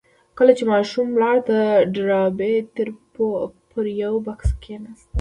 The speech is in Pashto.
کله چې ماشومه ولاړه د ډاربي تره پر يوه بکس کېناست.